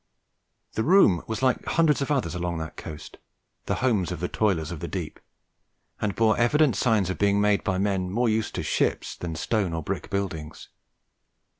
The room was like hundreds of others along that coast, the homes of the toilers of the deep, and bore evident signs of being made by men more used to ships than stone or brick buildings.